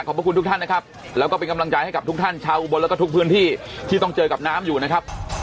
ขอบคุณทุกท่านนะครับแล้วก็เป็นกำลังใจให้กับทุกท่านชาวอุบลแล้วก็ทุกพื้นที่ที่ต้องเจอกับน้ำอยู่นะครับ